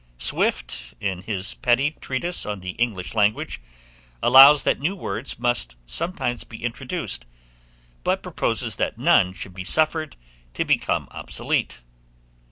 Swift, in his petty treatise on the English language, allows that new words must sometimes be introduced, but proposes that none should be suffered to become obsolete.